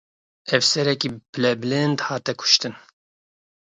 Efserekî pilebilind hate kuştin.